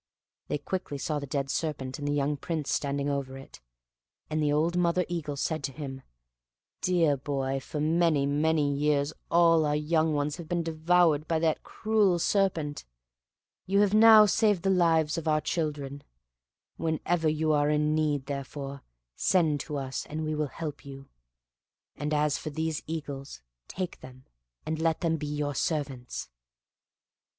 They quickly saw the dead serpent and the young Prince standing over it; and the old mother eagle said to him, "Dear boy, for many' years all our young ones have been devoured by that cruel serpent; you have now saved the lives of our children; whenever you are in need therefore, send to us and we will help you; and as for these little eagles, take them, and let them be your servants."